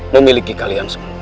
memiliki kalian semua